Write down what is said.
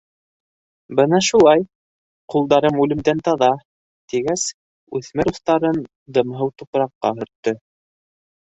— Бына шулай, ҡулдарым үлемдән таҙа, — тигәс, үҫмер устарын дымһыу тупраҡҡа һөрттө.